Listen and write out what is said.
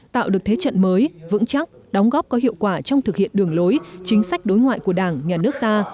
tạo được thế trận mới vững chắc đóng góp có hiệu quả trong thực hiện đường lối chính sách đối ngoại của đảng nhà nước ta